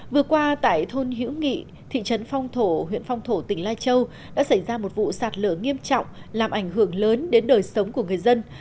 vừa qua tại thôn hiễu nghị thị trấn phong thổ huyện phong thổ tỉnh lai châu đã xảy ra một vụ sạt lở nghiêm trọng làm ảnh hưởng lớn đến đời sống của người dân